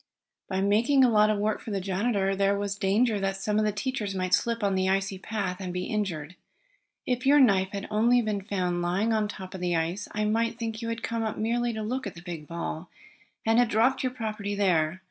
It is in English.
"Besides making a lot of work for the janitor, there was danger that some of the teachers might slip on the icy path and be injured. If your knife had only been found lying on top of the ice I might think you had come up merely to look at the big ball, and had dropped your property there.